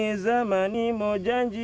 sehingga kita bisa melakukan peradaban yang baik